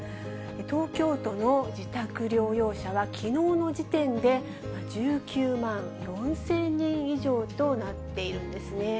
東京都の自宅療養者は、きのうの時点で、１９万４０００人以上となっているんですね。